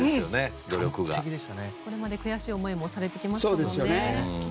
これまで悔しい思いもされてきましたもんね。